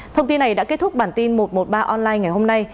thông tin này đã kết thúc bản tin một trăm một mươi ba online ngày hôm nay